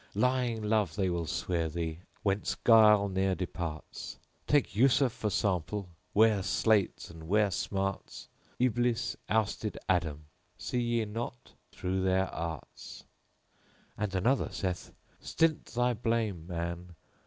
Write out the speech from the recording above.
Lying love they will swear thee * Whence guile ne'er departs: Take Yusuf[FN#18] for sample * 'Ware sleights and 'ware smarts! Iblis[FN#19] ousted Adam * (See ye not?) thro' their arts. And another saith:— Stint thy blame, man!